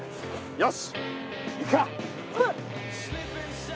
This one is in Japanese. よし。